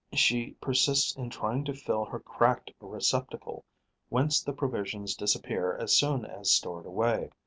She persists in trying to fill her cracked receptacle, whence the provisions disappear as soon as stored away.